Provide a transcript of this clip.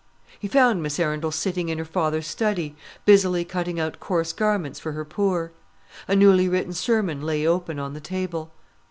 He found Miss Arundel sitting in her father's study, busily cutting out coarse garments for her poor. A newly written sermon lay open on the table.